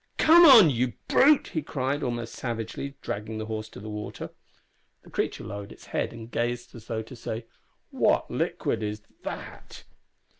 "Come on you brute!" he cried, almost savagely, dragging the horse to the water. The creature lowered its head and gazed as though to say, "What liquid is that?"